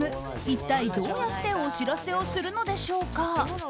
一体どうやってお知らせをするのでしょうか。